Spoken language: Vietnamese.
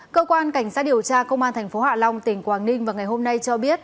cơ quan cảnh sát điều tra công an tp hạ long tỉnh quảng ninh vào ngày hôm nay cho biết